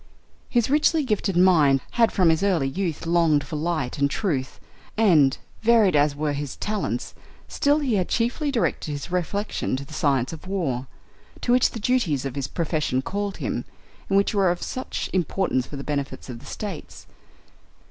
His richly gifted mind had from his early youth longed for light and truth, and, varied as were his talents, still he had chiefly directed his reflections to the science of war, to which the duties of his profession called him, and which are of such importance for the benefit of States.